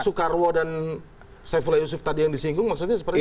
sukarwo dan saifula yusuf tadi yang disinggung maksudnya seperti apa